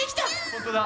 ほんとだ！